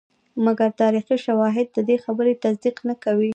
مګر تاریخي شواهد ددې خبرې تصدیق نه کوي.